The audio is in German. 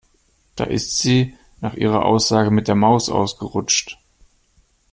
Da ist sie nach ihrer Aussage mit der Maus ausgerutscht.